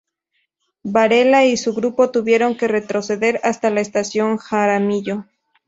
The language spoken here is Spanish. Varela y su grupo tuvieron que retroceder hasta la estación Jaramillo.